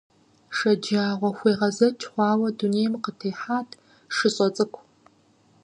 ШэджагъуэхуегъэзэкӀ хъуауэ дунейм къытехьат шыщӀэ цӀыкӀу.